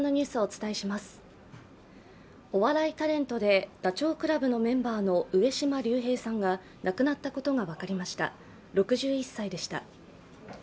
お笑いタレントでダチョウ倶楽部のメンバーの上島竜兵さんが亡くなったことが分かりました、６１歳でした。